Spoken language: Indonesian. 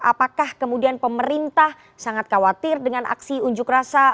apakah kemudian pemerintah sangat khawatir dengan aksi unjuk rasa